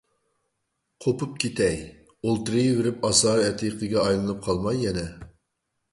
قوپۇپ كېتەي، ئولتۇرۇۋېرىپ ئاسارئەتىقىگە ئايلىنىپ قالماي يەنە.